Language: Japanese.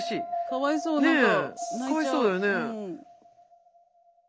かわいそうだよね。